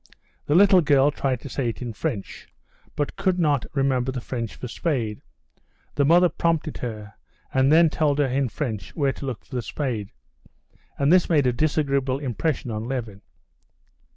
The little girl tried to say it in French, but could not remember the French for spade; the mother prompted her, and then told her in French where to look for the spade. And this made a disagreeable impression on Levin.